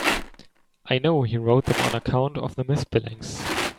I know he wrote them on account of the misspellings.